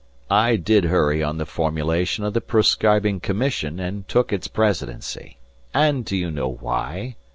"I did hurry on the formation of the proscribing commission and took its presidency. And do you know why?